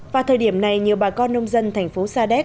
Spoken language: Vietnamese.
và thời điểm này nhiều bà con nông dân thành phố sa địa